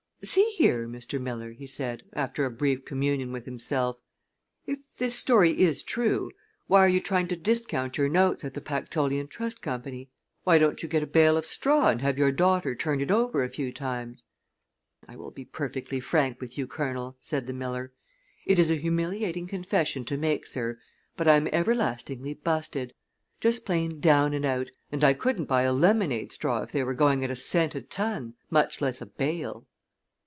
"See here, Mr. Miller," he said, after a brief communion with himself, "if this story is true, why are you trying to discount your notes at the Pactolean Trust Company? Why don't you get a bale of straw and have your daughter turn it over a few times?" "I will be perfectly frank with you, Colonel," said the miller. "It is a humiliating confession to make, sir, but I'm everlastingly busted. Just plain down and out and I couldn't buy a lemonade straw if they were going at a cent a ton, much less a bale."